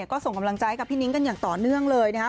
ก็ส่งกำลังใจกับพี่นิ้งกันอย่างต่อเนื่องเลยนะครับ